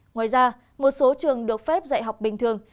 ngoài ra một số trường được phép dạy học bình thường